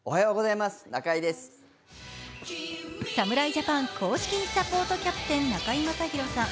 侍ジャパン・公認サポートキャプテン、中居正広さん。